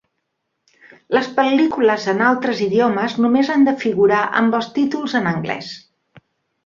Les pel·lícules en altres idiomes només han de figurar amb els títols en anglès.